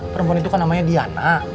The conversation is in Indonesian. perempuan itu kan namanya diana